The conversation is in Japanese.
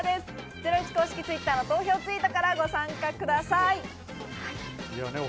ゼロイチ公式Ｔｗｉｔｔｅｒの投票ツイートからご参加ください。